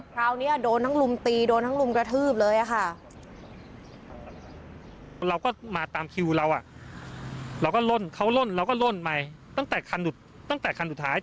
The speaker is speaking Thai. คราวนี้โดนทั้งลุมตีโดนทั้งลุมกระทืบเลยค่ะ